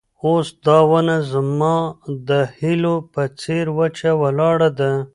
اوس دا ونه زما د هیلو په څېر وچه ولاړه ده.